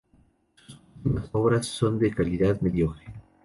Sus últimas obras son de calidad mediocre.